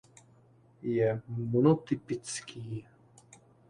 Je monotypický.